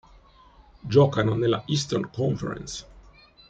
Giocano nella Eastern Conference.